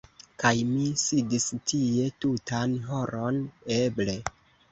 Kaj mi sidis tie tutan horon eble.